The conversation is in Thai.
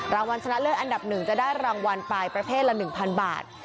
รางวัลชนะเลิศอันดับ๑จะได้รางวัลไปประเภทละ๑๐๐บาท